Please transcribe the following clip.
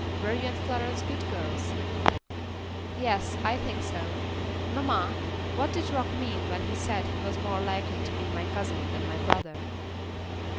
Were you and Florence good girls?" "Yes, I think so. Mamma, what did Rock mean when he said he was more likely to be my cousin than my brother?"